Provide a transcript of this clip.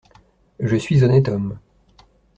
Je suis honnête homme.